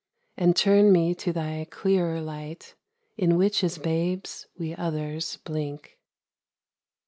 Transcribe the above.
And turn me to thy clearer light, In which as babes we others blink.